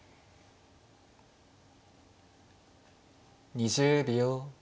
２０秒。